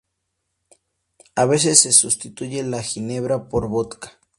A veces se sustituye la ginebra por vodka.